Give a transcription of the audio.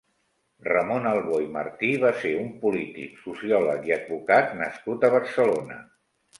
Ramon Albó i Martí va ser un polític, sociòleg i advocat nascut a Barcelona.